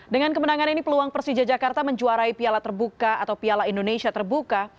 dengan kemenangan ini peluang persija jakarta menjuarai piala terbuka atau piala indonesia terbuka